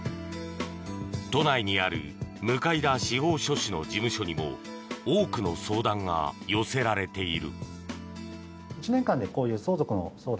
都内にある向田司法書士の事務所にも多くの相談が寄せられている。